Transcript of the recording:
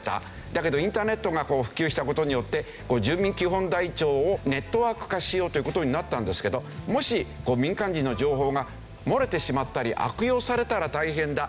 だけどインターネットが普及した事によって住民基本台帳をネットワーク化しようという事になったんですけどもし民間人の情報が漏れてしまったり悪用されたら大変だ。